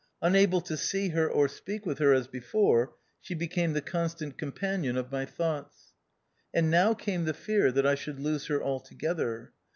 Unable to see her or speak with her as before, she became the constant companion of my thoughts. And now came the fear that I should lose her altogether.